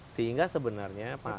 sehingga sebenarnya pak erick